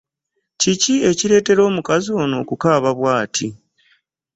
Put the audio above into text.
Kiki ekireetera omukazi ono okukaaba bwati?